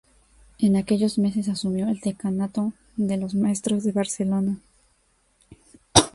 En aquellos meses asumió el Decanato de los Maestros de Barcelona.